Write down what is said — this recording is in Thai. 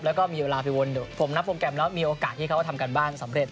แล้วก็มีเวลาไปวนผมนับโปรแกรมแล้วมีโอกาสที่เขาทำการบ้านสำเร็จ